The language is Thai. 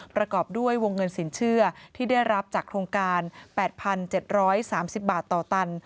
ประกอบด้วยวงเงินสินเชื่อที่ได้รับจากโครงการ๘๗๓๐บาทต่อตัน